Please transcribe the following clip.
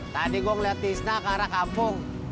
tadi gue ngeliat tisna ke arah kampung